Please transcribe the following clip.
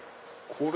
これ。